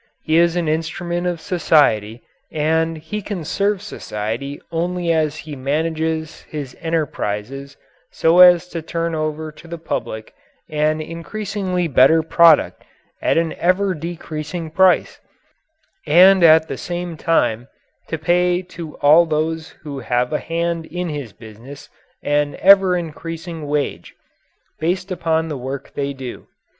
He is an instrument of society and he can serve society only as he manages his enterprises so as to turn over to the public an increasingly better product at an ever decreasing price, and at the same time to pay to all those who have a hand in his business an ever increasing wage, based upon the work they do.